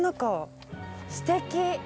すてき！